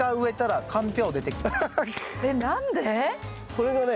これがね